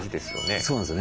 そうなんですよね。